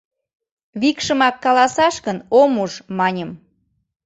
— Викшымак каласаш гын, ом уж, — маньым.